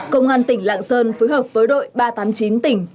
công an tỉnh lạng sơn phối hợp với đội ba trăm tám mươi chín tỉnh